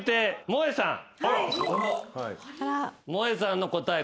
もえさんの答え